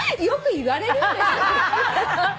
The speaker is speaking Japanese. よく言われるんだ。